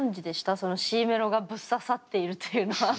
そのＣメロがぶっ刺さっているっていうのは。